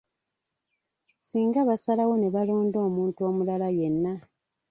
Singa basalawo ne balonda omuntu omulala yenna.